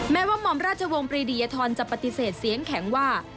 แม้ว่าหม่อมราชวงศ์ปรีดียทรจะปฏิเสธเสียงแข็งว่า